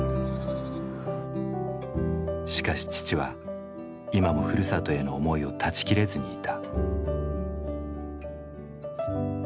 しかし父は今もふるさとへの思いを断ち切れずにいた。